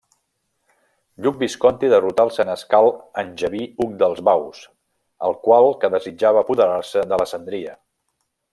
Lluc Visconti derrotà el senescal angeví Hug dels Baus, el qual que desitjava apoderar-se d'Alessandria.